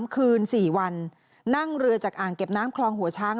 คืน๔วันนั่งเรือจากอ่างเก็บน้ำคลองหัวช้าง